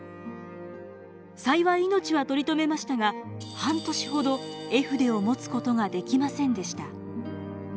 幸い命は取り留めましたが半年ほど絵筆を持つことができませんでした。